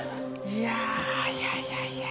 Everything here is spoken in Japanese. いやいやいやいや。